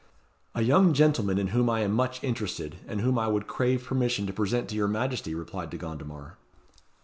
"A young gentleman in whom I am much interested, and whom I would crave permission to present to your Majesty," replied De Gondomar.